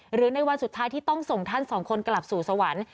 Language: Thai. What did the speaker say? หรือในวันสุดท้ายที่ต้องส่งท่านสองคนกลับสู่สวรรค์